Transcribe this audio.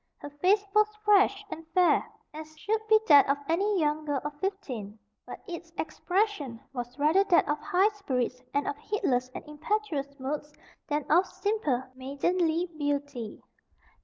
Her face was fresh and fair, as should be that of any young girl of fifteen, but its expression was rather that of high spirits and of heedless and impetuous moods than of simple maidenly beauty.